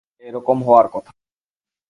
এ রকম হওয়ার কথা নয়।